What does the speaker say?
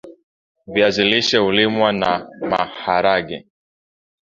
viazi lishe huliwa na namaharage